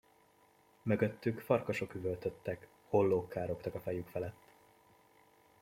Mögöttük farkasok üvöltöttek, hollók károgtak a fejük felett.